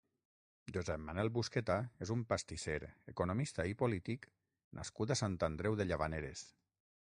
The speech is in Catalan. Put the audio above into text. Josep Manel Busqueta és un pastisser, economista i polític nascut a Sant Andreu de Llavaneres.